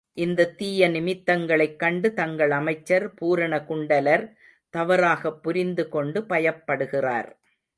இந்தத் தீய நிமித்தங்களைக் கண்டு தங்கள் அமைச்சர் பூரணகுண்டலர் தவறாகப் புரிந்து கொண்டு பயப்படுகிறார்.